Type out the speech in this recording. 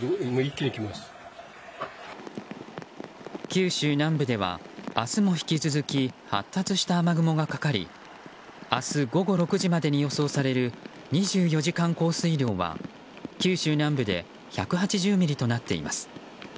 九州南部では明日も引き続き発達した雨雲がかかり明日午後６時までに予想される２４時間降水量は九州南部で１８０ミリとなっています。